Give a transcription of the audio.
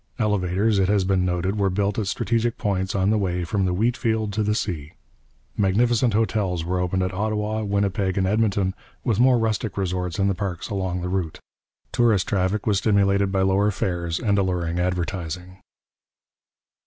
Elevators, it has been noted, were built at strategic points on the way from the wheat field to the sea. Magnificent hotels were opened at Ottawa, Winnipeg, and Edmonton, with more rustic resorts in the parks along the route. Tourist traffic was stimulated by lowered fares and alluring advertising.